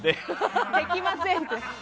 できませんって。